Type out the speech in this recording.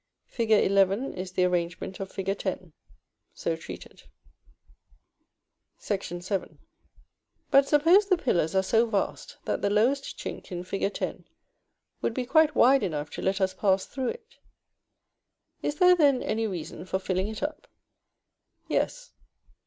Fig. XI. is the arrangement of Fig. X. so treated. [Illustration: Fig. XI.] § VII. But suppose the pillars are so vast that the lowest chink in Fig. X. would be quite wide enough to let us pass through it. Is there then any reason for filling it up? Yes.